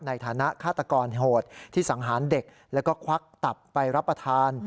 ในฐานะฆาตกรโหดที่สังหารเด็กแล้วก็ควักตับไปรับประทาน